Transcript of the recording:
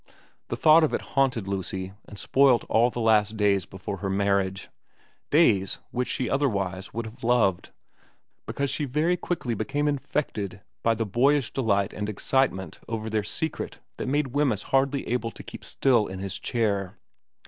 The thought of it haunted Lucy and spoilt all the last days before her marriage, days which she otherwise would 136 VERA xn have loved, because she very quickly became infected by the boyish delight and excitement over their secret that made Wemyss hardly able to keep still in his chair.